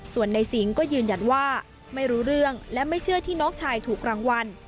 ส่วนในสิงห์ก็ยืนยันว่าไม่รู้เรื่องและไม่เชื่อที่น้องชายถูกรางวัล